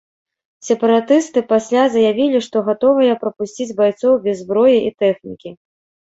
Сепаратысты пасля заявілі, што гатовыя прапусціць байцоў без зброі і тэхнікі.